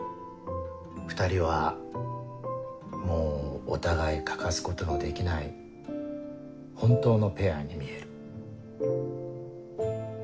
２人はもうお互い欠かすことのできない本当のペアに見える。